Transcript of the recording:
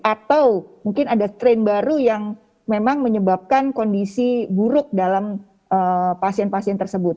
atau mungkin ada strain baru yang memang menyebabkan kondisi buruk dalam pasien pasien tersebut